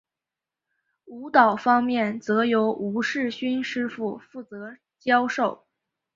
舞蹈方面则由吴世勋师傅负责教授。